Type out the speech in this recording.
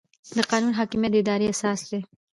د قانون حاکمیت د ادارې اساس دی.